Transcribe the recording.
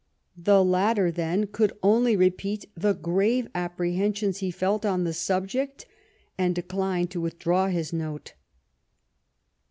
The latter, then, could only repeat the grave apprehensions he felt on the subject, and declined to ■withdraw his note.